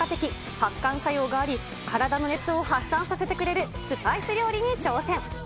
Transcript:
発汗作用があり、体の熱を発散させてくれるスパイス料理に挑戦。